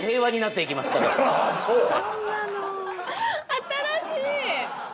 新しい。